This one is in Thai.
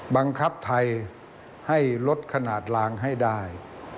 บังคับไทยให้ลดขนาดลางให้ได้